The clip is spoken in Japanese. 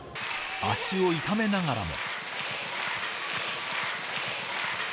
足を痛めながらも。